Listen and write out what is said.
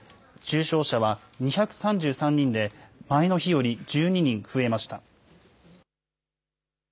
重症者は２３３人で、前の日より１２人増えました。